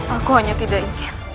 aku hanya tidak ingin